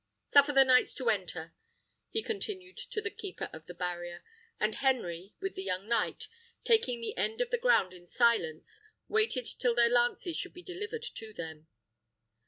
Suffer the knights to enter," he continued to the keeper of the barrier; and Henry, with the young knight, taking the end of the ground in silence, waited till their lances should be delivered to them.